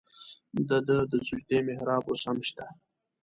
د ده د سجدې محراب اوس هم شته.